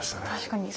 確かに。